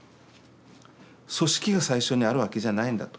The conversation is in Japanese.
組織が最初にあるわけじゃないんだと。